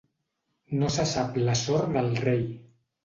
No se sap la sort del rei.